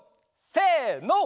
せの！